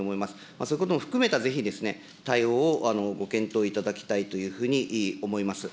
そういうことも含めた、ぜひ対応をご検討いただきたいというふうに思います。